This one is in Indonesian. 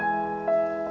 gak ada apa apa